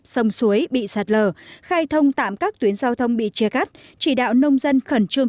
sông suối bị sạt lở khai thông tạm các tuyến giao thông bị chia cắt chỉ đạo nông dân khẩn trương